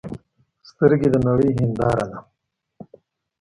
سترګې د نړۍ هنداره ده